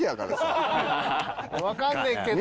わかんねんけど。